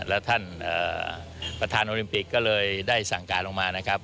แล้วท่านประธานโอลิมปิกก็เลยได้สั่งการลงมานะครับ